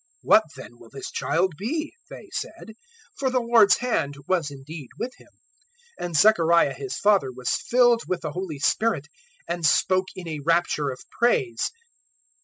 "What then will this child be?" they said. For the lord's hand was indeed with him. 001:067 And Zechariah his father was filled with the Holy Spirit, and spoke in a rapture of praise.